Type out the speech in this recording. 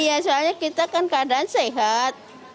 iya soalnya kita kan keadaan sehat